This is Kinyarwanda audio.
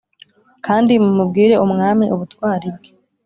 kandi mumubwire umwami ubutwari bwe